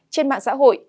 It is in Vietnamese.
trên mạng xã hội